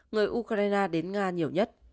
người ukraine đến nga nhiều nhất